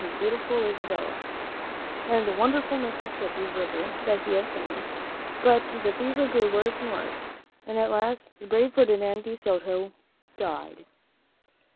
•*^'' :p ■ •«K«<^ beautiful Isabella and the wonderful Mississippi River that he had found. But the fever grew worse and worse, and at last the brave Ferdinand de Soto died.